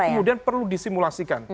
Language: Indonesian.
maka kemudian perlu disimulasikan